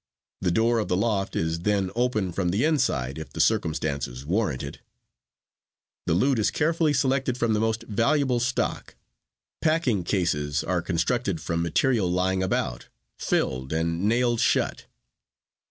The door of the loft is then opened from the inside if the circumstances warrant it. The loot is carefully selected from the most valuable stock. Packing cases are constructed from material lying about, filled, and nailed shut.